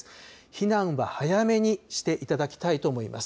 避難は早めにしていただきたいと思います。